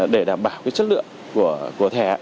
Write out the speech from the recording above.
để đảm bảo cái chất lượng của thẻ